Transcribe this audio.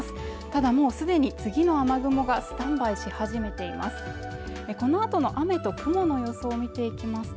ただもうすでに次の雨雲がスタンバイし始めています